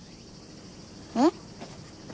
えっ？